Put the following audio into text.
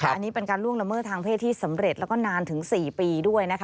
อันนี้เป็นการล่วงละเมิดทางเพศที่สำเร็จแล้วก็นานถึง๔ปีด้วยนะคะ